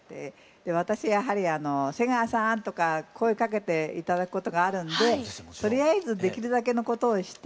私やはり「瀬川さん」とか声かけて頂くことがあるんでとりあえずできるだけのことをして。